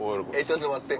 ちょっと待って。